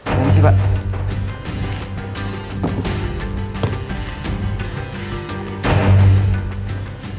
terima kasih pak